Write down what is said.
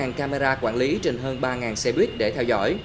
và có hơn ba camera quản lý trên hơn ba xe buýt để theo dõi